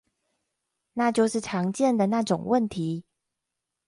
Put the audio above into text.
那就是常見的那種問題